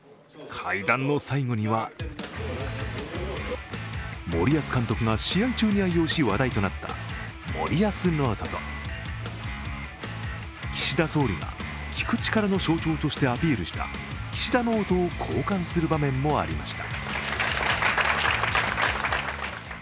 会談の最後には森保監督が試合中に愛用し、話題となった森保ノートと岸田総理が聞く力の象徴としてアピールした岸田ノートを交換する場面もありました。